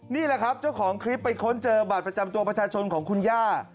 นี่แหละครับเจ้าของคลิปไปค้นเจอบัตรประจำตัวประชาชนของคุณย่า